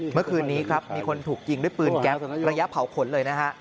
เมื่อคืนนี้ครับมีคนถูกยิงด้วยปืนแก๊สระยะเผาขนเลยนะฮะ